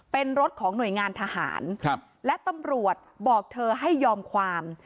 เป็นรถของหน่วยงานทหารและตำรวจบอกเธอให้ยอมความ